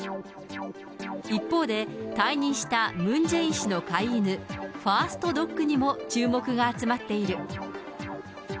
一方で、退任したムン・ジェイン氏の飼い犬、ファーストドッグにも注目が集まっている。